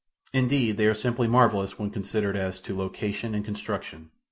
Indeed, they are simply marvelous when considered as to location and construction.